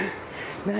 何？